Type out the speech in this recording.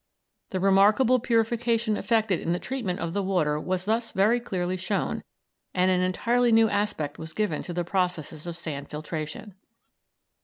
The remarkable purification effected in the treatment of the water was thus very clearly shown, and an entirely new aspect was given to the processes of sand filtration.